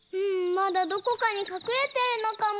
まだどこかにかくれてるのかも。